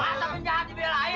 masa penjahat dibelain